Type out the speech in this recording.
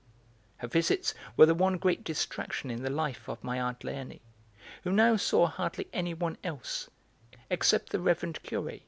Her visits were the one great distraction in the life of my aunt Léonie, who now saw hardly anyone else, except the reverend Curé.